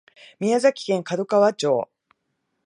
宮崎県門川町